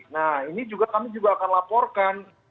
nah ini juga kami juga akan laporkan